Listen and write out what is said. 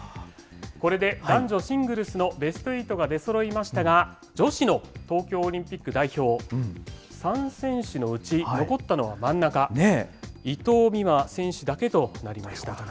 これで男女シングルスのベストエイトが出そろいましたが、女子の東京オリンピック代表、３選手のうち、残ったのは真ん中、伊藤美誠選手だけとなりました。